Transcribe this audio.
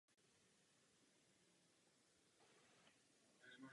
Bohatý a velký svatební obřad proběhl v kostele řecké pravoslavné církve nedaleko Cetinje.